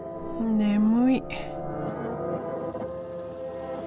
眠い。